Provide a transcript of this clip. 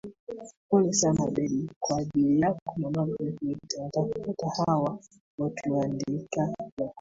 Pole sana Debby kwa ajili yako na Magreth nitawatafuta hawa watualiandika Jacob